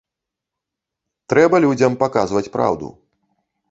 Трэба людзям паказваць праўду.